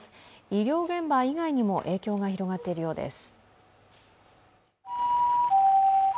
医療現場以外にも影響が広がっているようです。